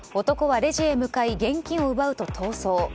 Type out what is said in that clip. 男はレジへ向かい現金を奪うと、逃走。